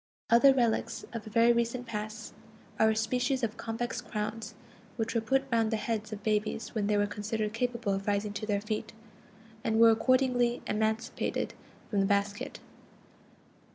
Other relics of a very recent past are a species of convex crowns which were put round the heads of babies when they were considered capable of rising to their feet, and were accordingly emancipated from the basket.